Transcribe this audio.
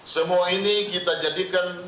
semua ini kita jadikan